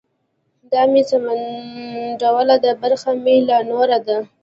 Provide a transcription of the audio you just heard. دا مې سمنډوله ده برخه مې لا نوره ده.